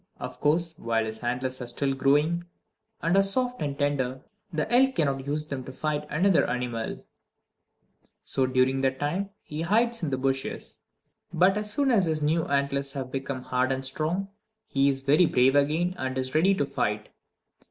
Of course, while his antlers are still growing, and are soft and tender, the elk cannot use them to fight another animal; so during that time he hides in the bushes. But as soon as his new antlers have become hard and strong, he is very brave again, and is ready to fight!